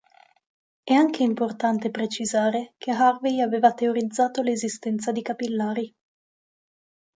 È anche importante precisare che Harvey aveva teorizzato l'esistenza di capillari.